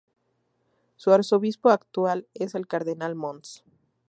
Su arzobispo actual es el Cardenal Mons.